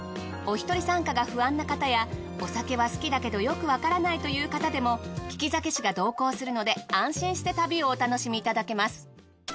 おひとり参加が不安な方やお酒は好きだけどよくわからないという方でもき酒師が同行するので安心して旅をお楽しみいただけます。